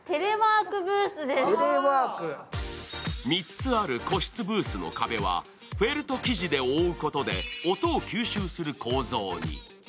３つある個室ブースの壁は、フェルト生地で覆うことで音を吸収する構造に。